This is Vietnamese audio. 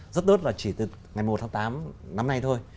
rất tốt là chỉ từ ngày một tháng tám năm nay thôi